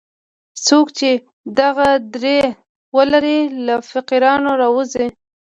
څوک چې دغه درې ولري له فقیرانو راووځي.